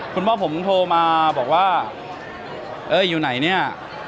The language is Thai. คุณพ่อผมโทรมาบอกว่าเอ้ยอยู่ไหนเนี่ย